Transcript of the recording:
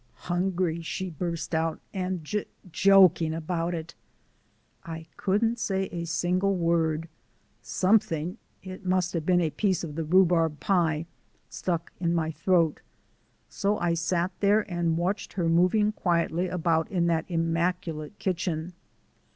"Hungry!" she burst out, "and j joking about it!" I couldn't say a single word; something it must have been a piece of the rhubarb pie stuck in my throat. So I sat there and watched her moving quietly about in that immaculate kitchen.